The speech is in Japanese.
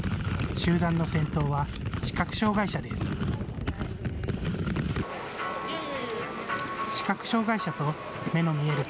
集団の先頭は視覚障害者です。